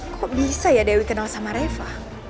kok bisa ya dewi kenal sama reva